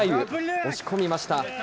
押し込みました。